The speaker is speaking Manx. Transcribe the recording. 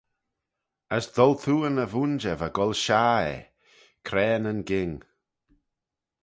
As doltooan y vooinjer va goll shaghey eh, craa nyn ghing.